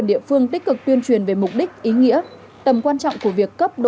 độc quỵ được